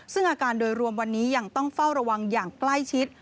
ซึ่งอาการโดยรวมวันนี้ยังต้องเฝ้าระวังอย่างใกล้ชิด